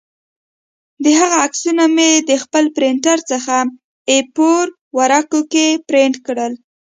د هغه عکسونه مې د خپل پرنټر څخه اې فور ورقو کې پرنټ کړل